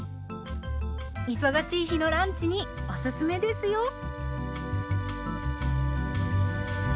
忙しい日のランチにおすすめですよ。